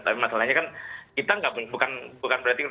tapi masalahnya kan kita bukan berarti